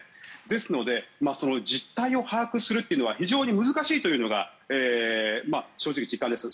ですので実態を把握するというのは非常に難しいというのが正直、実感です。